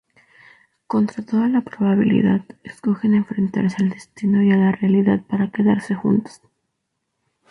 Contra toda probabilidad, escogen enfrentarse al destino y a la realidad para quedarse juntos.